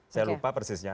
saya lupa persisnya